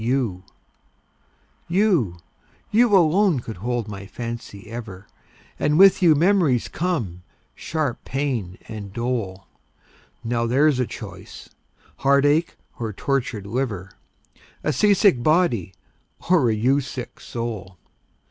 You, you alone could hold my fancy ever! And with you memories come, sharp pain, and dole. Now there's a choice heartache or tortured liver! A sea sick body, or a you sick soul!